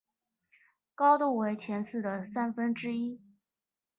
高度為前次的三分之一